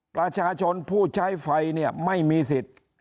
ประชาชนผู้ใช้ไฟเนี่ยไม่มีสิทธิ์